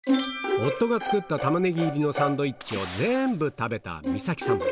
夫が作ったタマネギ入りのサンドイッチを全部食べたみさきさん。